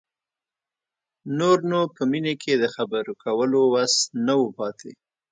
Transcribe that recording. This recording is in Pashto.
نور نو په مينې کې د خبرو کولو وس نه و پاتې.